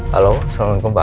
halo assalamualaikum pak